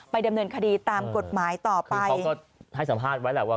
ดำเนินคดีตามกฎหมายต่อไปเขาก็ให้สัมภาษณ์ไว้แหละว่า